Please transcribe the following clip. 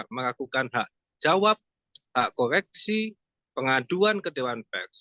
melakukan hak jawab hak koreksi pengaduan kederuan peks